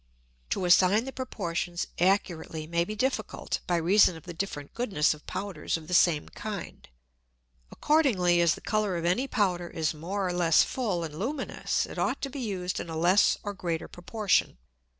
To assign the Proportions accurately may be difficult, by reason of the different Goodness of Powders of the same kind. Accordingly, as the Colour of any Powder is more or less full and luminous, it ought to be used in a less or greater Proportion.